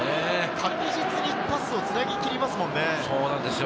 確実にパスをつなぎ切りますもんね。